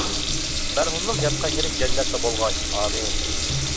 مەرھۇمنىڭ ياتقان يېرى جەننەتتە بولغاي، ئامىن!